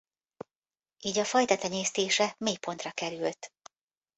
Így a fajta tenyésztése mélypontra került.